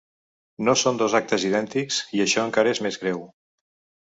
No són dos actes idèntics, i això encara és més greu.